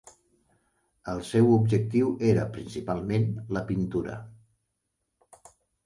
El seu objectiu era principalment la pintura.